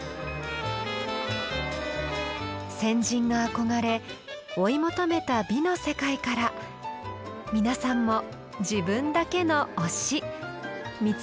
先人が憧れ追い求めた美の世界から皆さんも自分だけの「推し」見つけてみませんか？